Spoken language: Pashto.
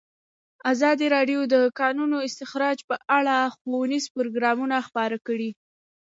ازادي راډیو د د کانونو استخراج په اړه ښوونیز پروګرامونه خپاره کړي.